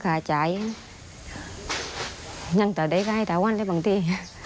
ค่าจ่ายยังต่อเด้ยก็ให้ต่อวันได้บางที